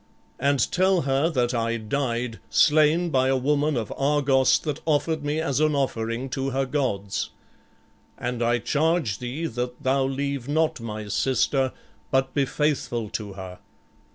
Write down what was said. And tell her that I died, slain by a woman of Argos that offered me as an offering to her gods; and I charge thee that thou leave not my sister, but be faithful to her.